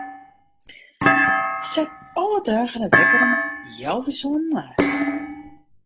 Set alle dagen in wekker om healwei sânen moarns.